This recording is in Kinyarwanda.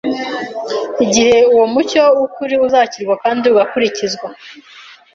Igihe uwo mucyo w’ukuri uzakirwa kandi ugakurikizwa,